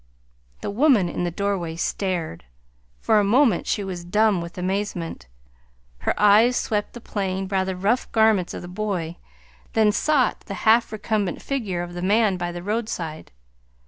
The woman in the doorway stared. For a moment she was dumb with amazement. Her eyes swept the plain, rather rough garments of the boy, then sought the half recumbent figure of the man by the roadside.